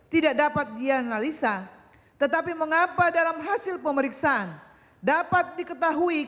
tidak dapat dianalisa tetapi mengapa dalam hasil pemeriksaan dapat diketahui